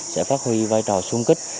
sẽ phát huy vai trò sung kích